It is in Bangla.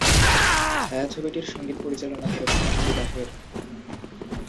ছায়াছবিটির সঙ্গীত পরিচালনা করেছেন আবু তাহের।